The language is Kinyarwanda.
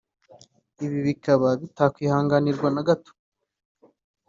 ibi bikaba bitakwihanganirwa na gato